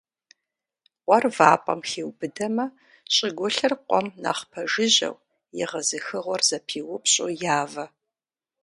Къуэр вапӀэм хиубыдэмэ, щӀыгулъыр къуэм нэхъ пэжыжьэу, егъэзыхыгъуэр зэпиупщӀу явэ.